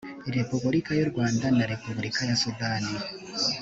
repubulika y u rwanda na repubulika ya sudani